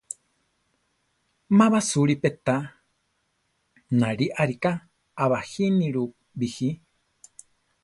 Ma basúri pe táa, náli arika a bajinílu biji.